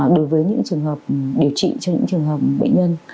đối với những trường hợp điều trị cho những trường hợp bệnh nhân